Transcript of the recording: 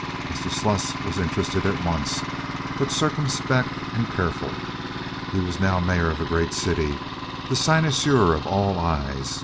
Mr. Sluss was interested at once, but circumspect and careful. He was now mayor of a great city, the cynosure of all eyes.